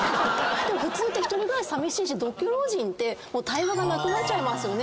普通って１人暮らしさみしいし独居老人って対話がなくなっちゃいますよね。